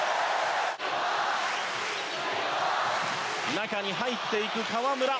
中に入っていく河村。